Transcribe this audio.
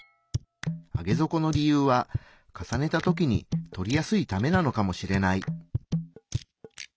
上げ底の理由は重ねた時に取りやすいためなのかもしれない。